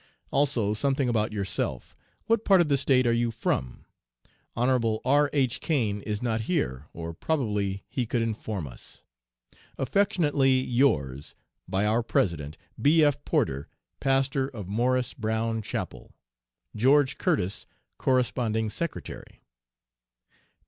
Also something about yourself. What part of the State are you from? Hon. R. H. Cain is not here, or probably he could inform us. Affectionately yours. By our President, B. F. PORTER, Pastor of Morris Brown Chapel. GEO. CURTIS, Corresponding Secretary.